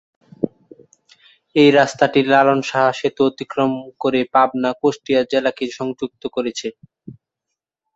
এই রাস্তাটি লালন শাহ সেতু অতিক্রম করে পাবনা-কুষ্টিয়া জেলাকে সংযুক্ত করেছে।